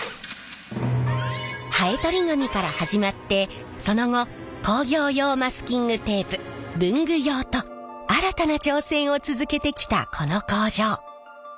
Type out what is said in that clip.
ハエとり紙から始まってその後工業用マスキングテープ文具用と新たな挑戦を続けてきたこの工場。